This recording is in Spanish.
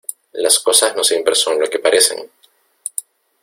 las cosas no siempre son lo que parecen.